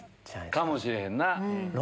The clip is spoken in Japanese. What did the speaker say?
かもしれへんな。